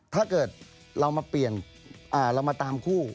ถ้าเกิดเรามาเปลี่ยนเรามาตามคู่